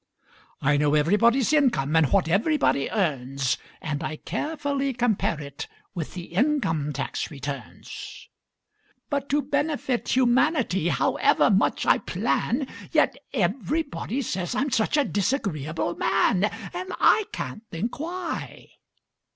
I know everybody's income and what everybody earns, And I carefully compare it with the income tax returns; But to benefit humanity, however much I plan, Yet everybody says I'm such a disagreeable man! And I can't think why!